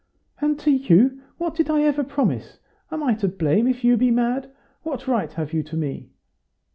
"And to you, what did I ever promise? Am I to blame if you be mad? What right have you to me?"